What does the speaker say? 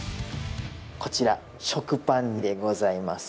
こちら食パンでございます。